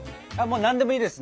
何でもいいです！